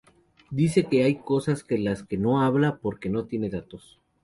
Dice que hay cosas de las que no habla porque no tiene datos.